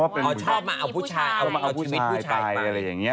เพราะชอบมาเอาผู้ชายไป